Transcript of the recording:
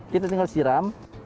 kita tinggal siram